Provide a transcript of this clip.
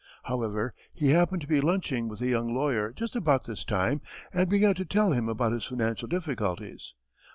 However, he happened to be lunching with a young lawyer just about this time and began to tell him about his financial difficulties.